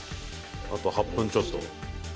あと８分ちょっと。